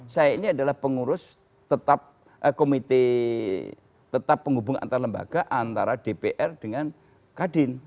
saya ini adalah pengurus tetap komite tetap penghubung antar lembaga antara dpr dengan kadin